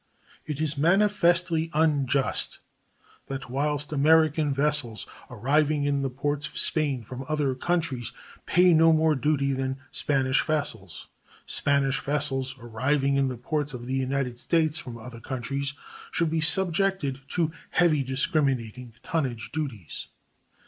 It is manifestly unjust that whilst American vessels arriving in the ports of Spain from other countries pay no more duty than Spanish vessels, Spanish vessels arriving in the ports of the United States from other countries should be subjected to heavy discriminating tonnage duties.